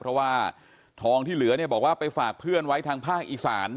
เพราะว่าทองที่เหลือเนี่ยบอกว่าไปฝากเพื่อนไว้ทางภาคอีสาน